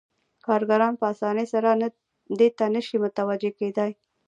کارګران په اسانۍ سره دې ته نشي متوجه کېدای